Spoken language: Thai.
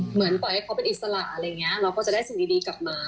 เหมือนปล่อยให้เขาเป็นอิสระอะไรอย่างนี้เราก็จะได้สิ่งดีกลับมา